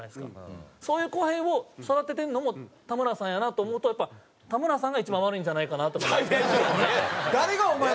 そういう後輩を育ててるのもたむらさんやなと思うとやっぱたむらさんが一番悪いんじゃないかなとか。